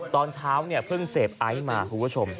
ตอนเช้าเพิ่งเศพไอ้มาผู้ชม